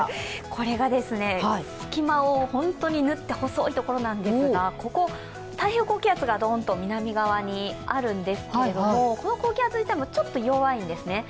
これが隙間を本当にぬって、細いところなんですがここ、太平洋高気圧がドーンと南側にあるんですけどこの、高気圧自体弱いんですね。